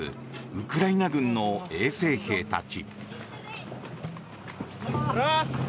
ウクライナ軍の衛生兵たち。